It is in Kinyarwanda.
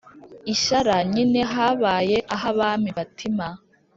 i shyara nyine habaye ah'abami batima